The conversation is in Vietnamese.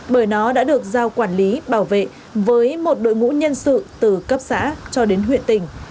bởi nó đã được giao quản lý bảo vệ với một đội ngũ nhân sự từ cấp xã cho đến huyện tỉnh